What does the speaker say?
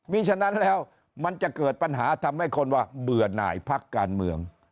มีฉะนั้นแล้วมันจะเกิดปัญหาทำให้คนว่าเบื่อหน่ายพักการเมือง